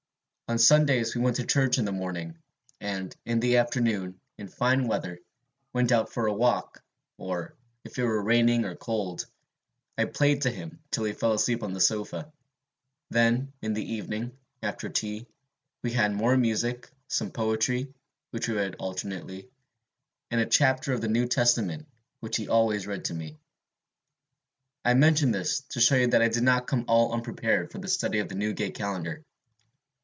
"On Sundays we went to church in the morning, and in the afternoon, in fine weather, went out for a walk; or, if it were raining or cold, I played to him till he fell asleep on the sofa. Then in the evening, after tea, we had more music, some poetry, which we read alternately, and a chapter of the New Testament, which he always read to me. I mention this, to show you that I did not come all unprepared to the study of the Newgate Calendar.